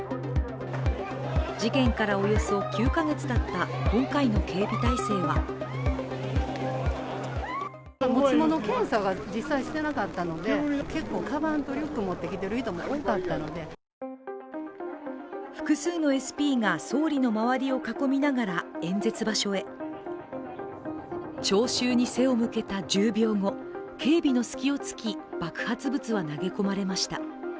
事件からおよそ９か月たった今回の警備態勢は複数のＳＰが総理の周りを囲みながら演説場所へ聴衆に背を向けた１０秒後、警備の隙を突き爆発物は投げ込まれました。